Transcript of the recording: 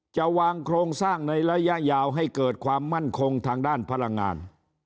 จะวางโครงสร้างในระยะยาวให้เกิดความมั่นคงทางด้านพลังงาน